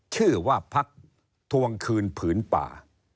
ชื่อว่าพักทวงคืนผืนป่า